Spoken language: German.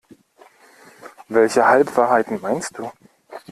Welche Halbwahrheiten meinst du?